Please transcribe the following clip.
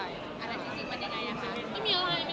อื้อออนี่เนี่ยจะเข้าเรื่องดี